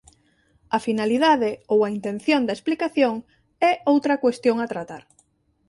A finalidade ou a intención da explicación é outra cuestión a tratar.